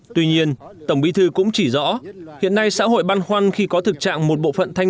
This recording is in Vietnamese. tuy nhiên tổng bí thư cũng chỉ rõ hiện nay xã hội băn khoăn khi có thực trạng một bộ phận thanh